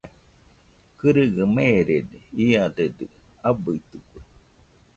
Kɨrɨgaɨ meerede, iadedɨ abɨitɨkue.